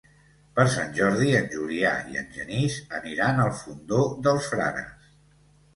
Per Sant Jordi en Julià i en Genís aniran al Fondó dels Frares.